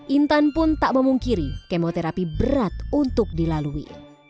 intan pun tak memungkiri kemoterapi berat untuk dilalui